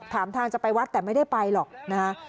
ทางจะไปวัดแต่ไม่ได้ไปหรอกนะคะ